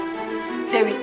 pergi kamu dari sini